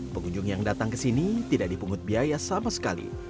pengunjung yang datang ke sini tidak dipungut biaya sama sekali